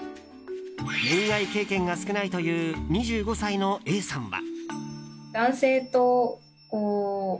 恋愛経験が少ないという２５歳のＡさんは。